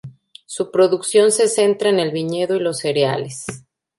Su producción se centra en el viñedo y los cereales.